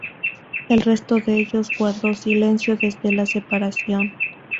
El resto de ellos guardó silencio desde la separación.